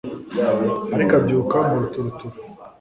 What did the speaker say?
ariko abyuka mu ruturuturu